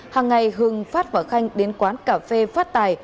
hằng ngày hừng phát và khanh đến quán cà phê phát tài